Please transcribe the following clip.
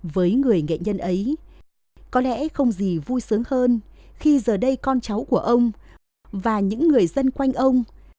với người nghệ nhân ấy có lẽ không gì vui sướng hơn khi giờ đây con cháu của ông và những người dân quanh ông